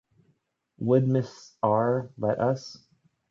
Would Mrs R. let us?